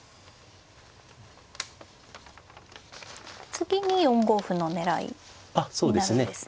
次に４五歩の狙いになるんですね。